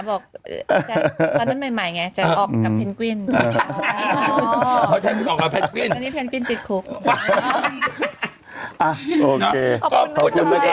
โอเคขอบคุณนะคะ